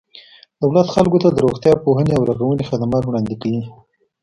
دولت خلکو ته د روغتیا، پوهنې او رغونې خدمات وړاندې کوي.